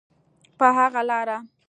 په هغه لاره.